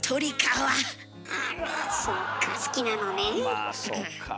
まあそっか。